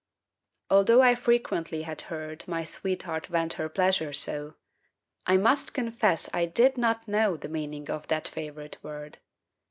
Although I frequently had heard My sweetheart vent her pleasure so, I must confess I did not know The meaning of that favorite word.